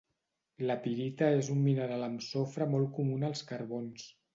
La pirita és un mineral amb sofre molt comú en els carbons.